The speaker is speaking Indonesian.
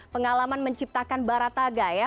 pengalaman menciptakan barataga ya